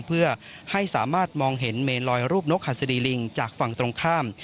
เพื่อให้สามารถมองเห็นเมนลอยรูปนกหัสดีลิงจากฝั่งตรงข้าม